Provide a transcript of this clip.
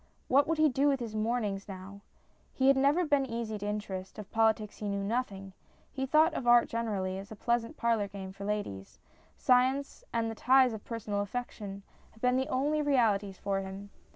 What would he do with his mornings now ? He had never been easy to interest ; of politics he knew nothing ; he thought of art gener ally as a pleasant parlour game for ladies ; science and the ties of personal affection had been the only realities for him.